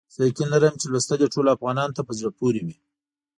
زه یقین لرم چې لوستل یې ټولو افغانانو ته په زړه پوري وي.